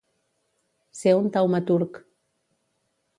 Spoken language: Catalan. Ser un taumaturg.